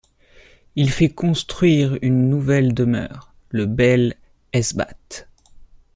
Il y fait construire une nouvelle demeure, le Bel Esbat.